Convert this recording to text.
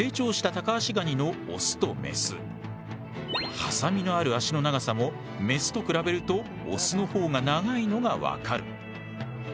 ハサミのある脚の長さもメスと比べるとオスの方が長いのが分かる。